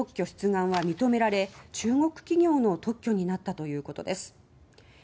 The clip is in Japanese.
特許出願は認められ中国企業の特許になったということです。